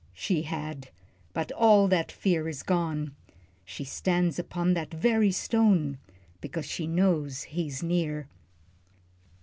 She had but all that fear is gone, She stands upon that very stone, Because she knows he's near.